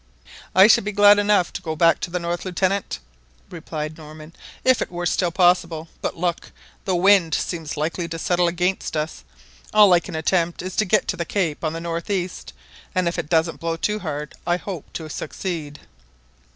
I should be glad enough to go back to the north, Lieutenant," replied Norman, "if it were still possible. But look, the wind seems likely to settle against us. All I can attempt is to get to the cape on the north east, and if it doesn't blow too hard, I hope to succeed."